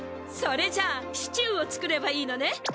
それじゃシチューを作ればいいのね？